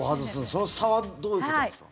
その差はどういうことなんですか？